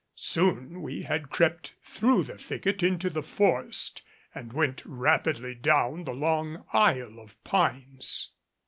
Soon we had crept through the thicket into the forest and went rapidly down the long aisle of pines.